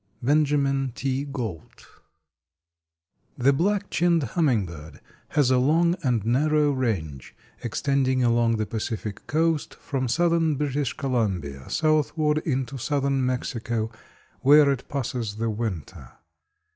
—Benjamin T. Gault. The Black chinned Hummingbird has a long and narrow range extending along the Pacific coast from Southern British Columbia southward into Southern Mexico, where it passes the winter.